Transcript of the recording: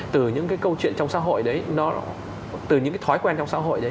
từ những cái câu chuyện trong xã hội đấy nó từ những cái thói quen trong xã hội đấy